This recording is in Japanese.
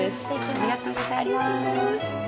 ありがとうございます。